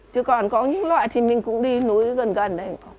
chứ còn có những loại thì mình cũng đi núi gần gần đây